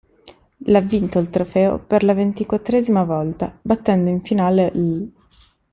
L' ha vinto il trofeo per la ventiquattresima volta, battendo in finale l'.